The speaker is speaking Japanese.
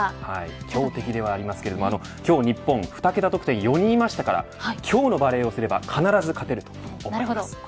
強敵ではありますけれど今日日本２桁得点４人いましたから今日のバレーをすれば必ず勝てると思います。